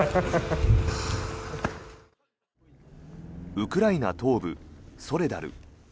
ウクライナ東部、ソレダル。